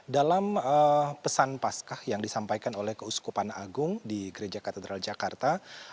dalam pesan paskah yang disampaikan oleh keuskupan agung di gereja katedral jakarta